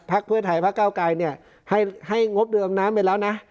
เพื่อไทยพักเก้าไกรเนี่ยให้งบเดิมน้ำไปแล้วนะ